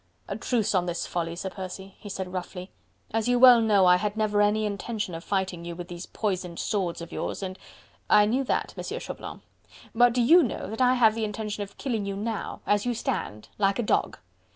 "A truce on this folly, Sir Percy," he said roughly, "as you well know, I had never any intention of fighting you with these poisoned swords of yours and..." "I knew that, M. Chauvelin.... But do YOU know that I have the intention of killing you now... as you stand... like a dog!..."